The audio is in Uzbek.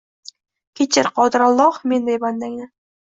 Kechir, Qodir Alloh, menday bandangni